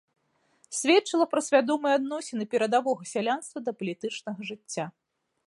Сведчыла пра свядомыя адносіны перадавога сялянства да палітычнага жыцця.